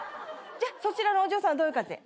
じゃあそちらのお嬢さんはどういう感じで？